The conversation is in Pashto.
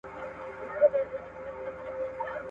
زما امام دی ,